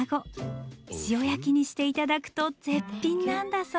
塩焼きにして頂くと絶品なんだそう。